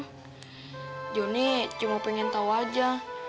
nyak jonny cuma pengen tau aja